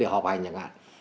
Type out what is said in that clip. để họp hành